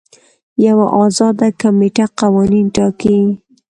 یوه ازاده کمیټه قوانین ټاکي.